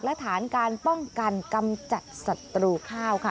และฐานการป้องกันกำจัดศัตรูข้าวค่ะ